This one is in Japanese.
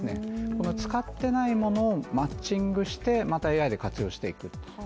この使ってないものをマッチングしてまたＡＩで活用していく。